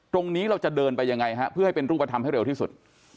ตรงนี้เราจะเดินไปยังไงฮะเพื่อให้เป็นรูปธรรมให้เร็วที่สุด